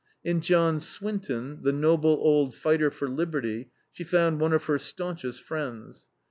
In John Swinton, the noble old fighter for liberty, she found one of her staunchest friends.